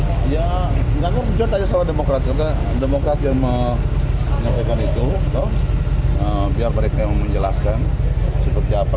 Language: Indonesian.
ya enggak gue menjawab saja soal demokrat demokrat yang menyampaikan itu biar mereka yang menjelaskan seperti apa